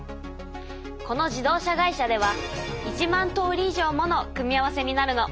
この自動車会社では１万通り以上もの組み合わせになるの。